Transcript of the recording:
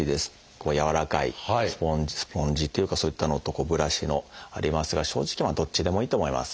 こうやわらかいスポンジスポンジっていうかそういったのとブラシのありますが正直まあどっちでもいいと思います。